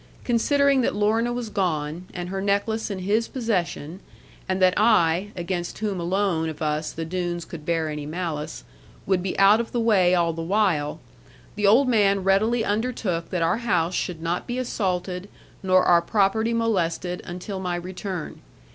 Considering that Lorna was gone, and her necklace in his possession, and that I (against whom alone of us the Doones could bear any malice) would be out of the way all the while, the old man readily undertook that our house should not be assaulted, nor our property molested, until my return.